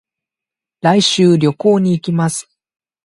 来週、旅行に行きます。